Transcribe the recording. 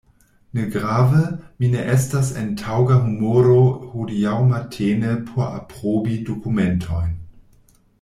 Negrave, mi ne estas en taŭga humoro hodiaŭ matene por aprobi dokumentojn.